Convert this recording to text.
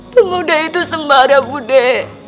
pemuda itu sembarang budi